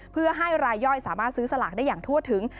เพื่อให้รายย่อยสามารถซื้อสลากได้อย่างทั่วถึง